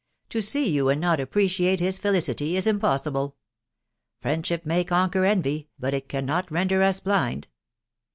... To see you, and not appreciate his felicity, is impossible. Friendship may conquer envy, but it cannot render us blind